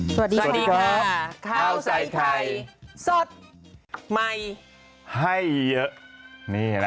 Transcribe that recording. สวัสดีค่ะข้าวใส่ไข่สดใหม่ให้เยอะ